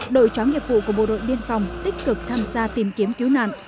đội chóng nghiệp vụ của bộ đội biên phòng tích cực tham gia tìm kiếm cứu nạn